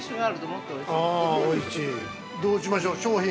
◆どうしましょう、商品。